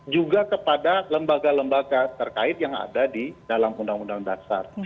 juga kepada lembaga lembaga terkait yang ada di dalam undang undang dasar